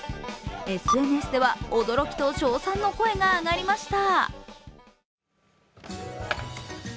ＳＮＳでは驚きと称賛の声が上がりました。